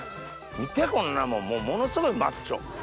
見てこんなもんもうものすごいマッチョ。